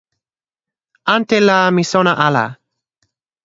ante la mi sona ala.